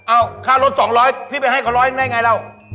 อ้าวค่ารถ๒๐๐พี่ไปให้กว่า๑๐๐ได้อย่างไรแล้ว